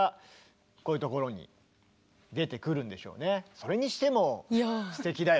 それにしてもすてきだよね。